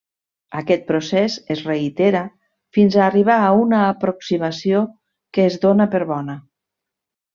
Aquest procés es reitera, fins a arribar a una aproximació que es dóna per bona.